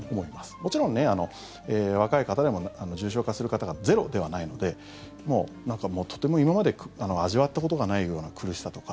もちろん、若い方でも重症化する方がゼロではないのでとても今まで味わったことがないような苦しさとか。